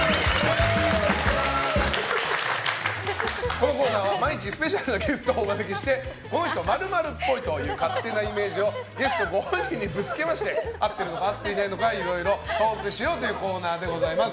このコーナーは毎日スペシャルなゲストをお招きしてこの人○○っぽいという勝手なイメージをゲストご本人にぶつけまして合っているのか合っていないのかいろいろトークしようというコーナーでございます。